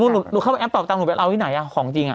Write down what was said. อ้าวทุกคนหนูเข้าไปแอปเป่าตังหนูไปเอาที่ไหนอ่ะของจริงอ่ะ